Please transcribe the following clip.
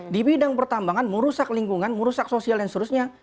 di bidang pertambangan merusak lingkungan merusak sosial dan seterusnya